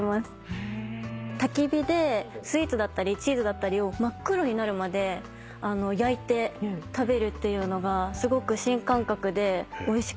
たき火でスイーツだったりチーズだったりを真っ黒になるまで焼いて食べるというのがすごく新感覚でおいしかったです。